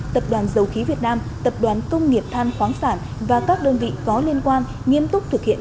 tập đoàn dầu khí việt nam tập đoàn công nghiệp than khoáng sản và các đơn vị có liên quan nghiêm túc thực hiện